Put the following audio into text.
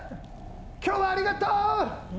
今日はありがとう！